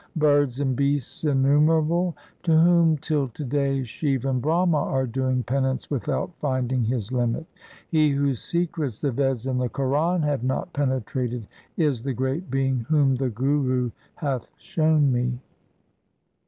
birds and beasts innumerable, To whom till to day Shiv and Brahma are doing penance without finding His limit, He whose secrets the Veds and the Quran have not penetrated, is the great Being whom the Guru 2 hath shown me.